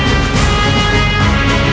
kau tak dapat menangani saya